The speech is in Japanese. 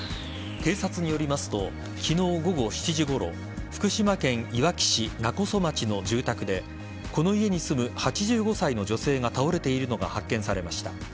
警察によりますと昨日午後７時ごろ福島県いわき市勿来町の住宅でこの家に住む８５歳の女性が倒れているのが発見されました。